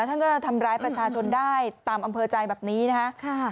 ท่านก็จะทำร้ายประชาชนได้ตามอำเภอใจแบบนี้นะคะ